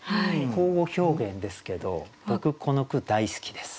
口語表現ですけど僕この句大好きです。